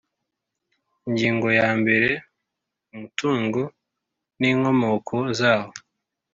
Ingingo ya mbere Umutungo n inkomoko zawo